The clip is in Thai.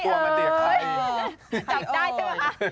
จับได้จังกับคะแถวนี้แหละ